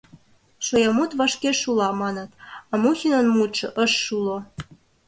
«Шоя мут вашке шула» маныт, а Мухинын мутшо ыш шуло.